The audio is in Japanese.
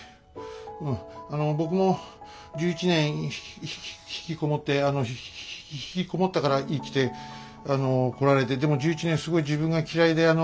うんあの僕も１１年ひきひきひきこもってあのひきこもったから生きてあのこられてでも１１年すごい自分が嫌いであの